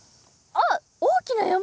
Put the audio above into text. あっ大きな山！